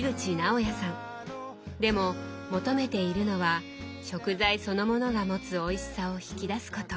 でも求めているのは食材そのものが持つおいしさを引き出すこと。